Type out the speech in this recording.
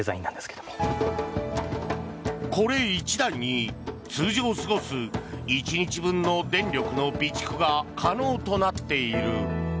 これ１台に通常過ごす１日分の電力の備蓄が可能となっている。